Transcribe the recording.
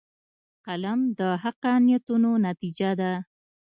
قلم د حقه نیتونو نتیجه ده